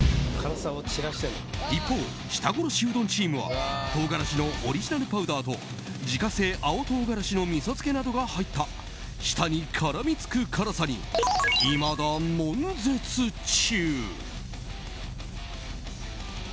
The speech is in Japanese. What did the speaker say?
一方、舌殺しうどんチームは唐辛子のオリジナルパウダーと自家製青唐辛子のみそ漬けなどが入った舌に絡みつく辛さにいまだ悶絶中。